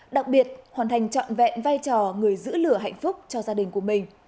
đặc biệt hoàn thành trọn vẹn vai trò người giữ lửa hạnh phúc cho gia đình của mình